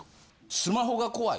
スマホが怖い。